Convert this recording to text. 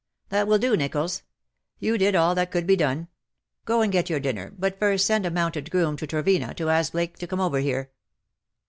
That will do, Nicholls. You did all that could be done. Go and get your dinner, but first send a mounted groom to Trevena to ask Blake to come over here."